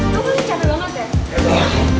lo kan capek banget ya